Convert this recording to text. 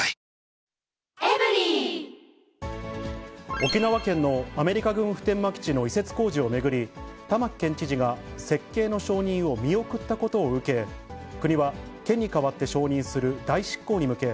沖縄県のアメリカ軍普天間基地の移設工事を巡り、玉城県知事が設計の承認を見送ったことを受け、国は県に代わって承認する代執行に向け、